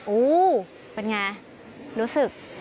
อู้เป็นไงรู้สึก